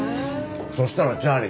そしたらチャーリー